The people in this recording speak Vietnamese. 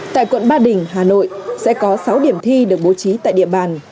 tại quận ba đình hà nội sẽ có sáu điểm thi được bố trí tại địa bàn